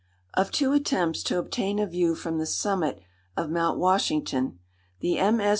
Of two attempts to obtain a view from the summit of Mount Washington, the MS.